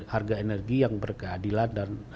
harga energi yang berkeadilan dan